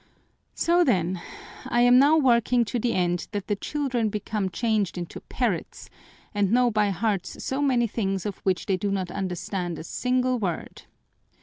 "So then, I am now working to the end that the children become changed into parrots and know by heart so many things of which they do not understand a single word.